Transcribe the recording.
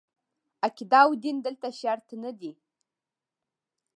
عقیده او دین دلته شرط نه دي.